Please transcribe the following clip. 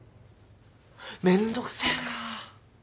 めんどくせえな。